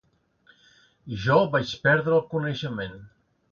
Jo vaig perdre el coneixement.